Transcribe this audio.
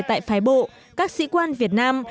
tại phái bộ các sĩ quan việt nam